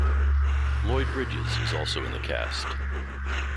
Lloyd Bridges is also in the cast.